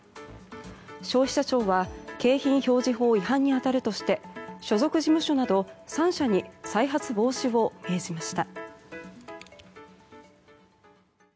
消費者庁は景品表示法違反に当たるとして所属事務所など３社に再発防止を命じました。